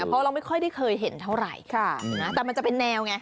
เพราะเราไม่ค่อยได้เคยเห็นเท่าไหร่แต่มันจะเป็นแนวไง